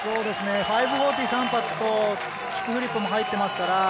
５４０、３発とキックフリップも入ってますから。